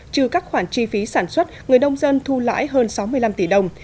trừ các khoản chi phí sản xuất người nông dân thu lãi hơn sáu mươi năm tỷ đồng